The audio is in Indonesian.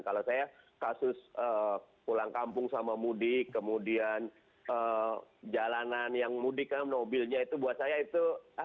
kalau saya kasus pulang kampung sama mudik kemudian jalanan yang mudik kan mobilnya itu buat saya itu